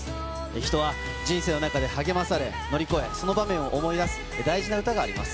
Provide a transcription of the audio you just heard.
人は人生の中で励まされ、乗り越え、その場面を思い出す、大事な歌があります。